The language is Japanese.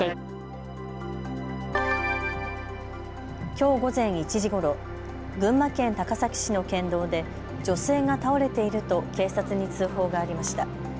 きょう午前１時ごろ、群馬県高崎市の県道で女性が倒れていると警察に通報がありました。